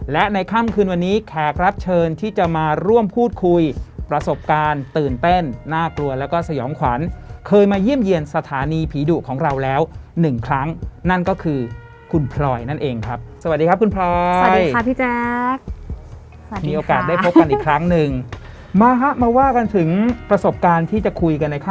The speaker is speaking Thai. และในค่ำคืนวันนี้แขกรับเชิญที่จะมาร่วมพูดคุยประสบการณ์ตื่นเต้นน่ากลัวแล้วก็สยองขวัญเคยมาเยี่ยมเยี่ยมสถานีผีดุของเราแล้วหนึ่งครั้งนั่นก็คือคุณพลอยนั่นเองครับสวัสดีครับคุณพลอยสวัสดีค่ะพี่แจ๊คมีโอกาสได้พบกันอีกครั้งหนึ่งมาฮะมาว่ากันถึงประสบการณ์ที่จะคุยกันในค